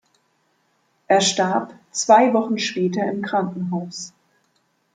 Er starb zwei Wochen später im Krankenhaus.